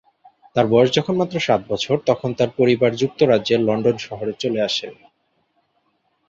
তার বয়স যখন মাত্র সাত বছর, তখন তার পরিবার যুক্তরাজ্যের লন্ডন শহরে চলে আসেন।